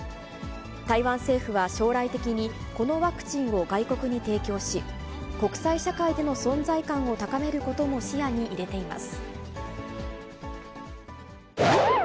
台湾政府は将来的に、このワクチンを外国に提供し、国際社会での存在感を高めることも視野に入れています。